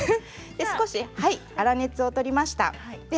少し粗熱を取りました。